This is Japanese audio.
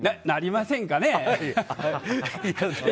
なりませんかね。